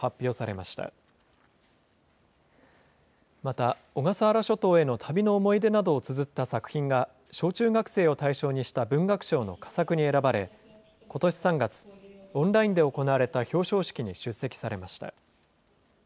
また、小笠原諸島への旅の思い出などをつづった作品が、小中学生を対象にした文学賞の佳作に選ばれ、ことし３月、オンラインで行われた表彰式に出席されました。